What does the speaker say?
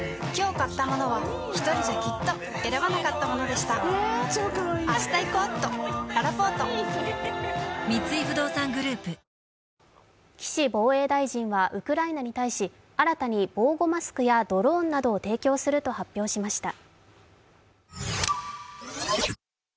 ロシア国防省は、投降の呼びかけに応じない岸防衛大臣はウクライナに対し新たに防護マスクやドローンなどを提供すると発表しました。